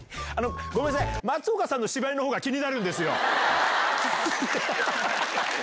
ごめんなさい、松岡さんの芝居のほうが気になるんですよ。